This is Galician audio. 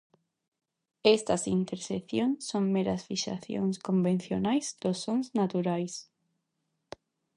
Estas interxeccións son meras fixacións convencionais dos sons naturais.